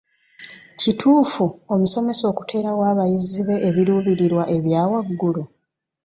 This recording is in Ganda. Kituufu omusomesa okuteerawo abayizi be ebiruubiriwa ebya waggului?